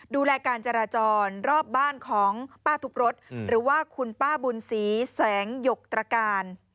ดูแลการจราจรรอบบ้านของป้าทุบรถหรือว่าคุณป้าบุญศรีแสงหยกตรการ